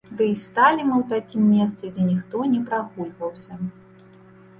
Дый стаялі мы ў такім месцы, дзе ніхто не прагульваўся.